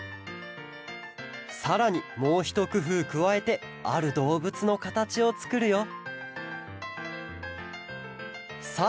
さらにもうひとくふうくわえてあるどうぶつのかたちをつくるよさあ